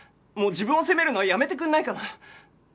もう自分を責めるのはやめてくれないかな。